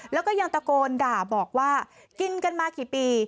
แล้วก็ยังตะโกนด่าบอกว่ากินกันมากี่ปี